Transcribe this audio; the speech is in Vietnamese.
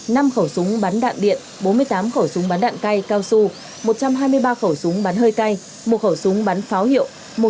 năm khẩu súng bắn đạn điện bốn mươi tám khẩu súng bắn đạn cay cao su một trăm hai mươi ba khẩu súng bắn hơi cay một khẩu súng bắn pháo hiệu